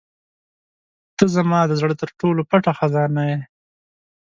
• ته زما د زړه تر ټولو پټه خزانه یې.